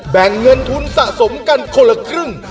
แบ่งเงินทุนสะสมกันคนละครึ่ง